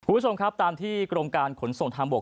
คุณผู้ชมครับตามที่กรมการขนส่งทางบก